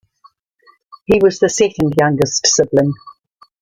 He was the second youngest sibling.